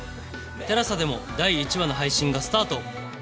ＴＥＬＡＳＡ でも第１話の配信がスタート